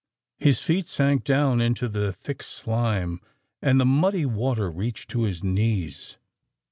His feet sank down into the thick slime, and the muddy water reached to his knees.